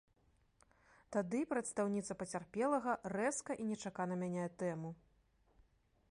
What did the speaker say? Тады прадстаўніца пацярпелага рэзка і нечакана мяняе тэму.